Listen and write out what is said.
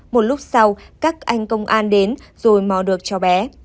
một lúc sau các anh công an đến rồi mò được cho bé